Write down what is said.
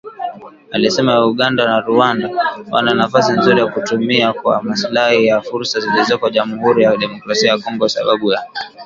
alisema Uganda na Rwanda wana nafasi nzuri ya kutumia kwa maslahi yao fursa zilizoko Jamuhuri ya Demokrasia ya Kongo kwa sababu ya